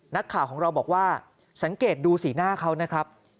นักข่าวของเราบอกว่าสังเกตดูสีหน้าเขานะครับ